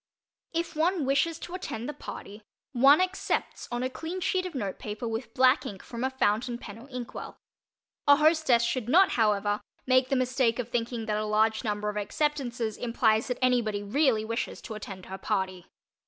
If one wishes to attend the party, one "accepts" on a clean sheet of note paper with black ink from a "fountain" pen or inkwell. A hostess should not, however, make the mistake of thinking that a large number of "acceptances" implies that anybody really wishes to attend her party.